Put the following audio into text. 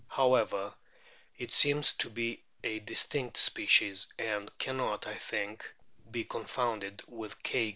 However, it seems to be a distinct species, and cannot, I think, be confounded with K.